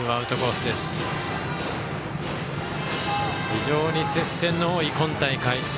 非常に接戦の多い、今大会。